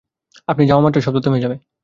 আপনি যাওয়ামাত্রই শব্দ থেমে যাবে।